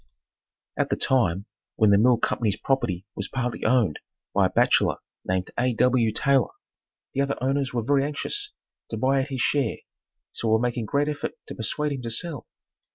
At the time when the Mill Company's property was partly owned by a bachelor named A. W. Taylor, the other owners were very anxious to buy out his share so were making great effort to persuade him to sell.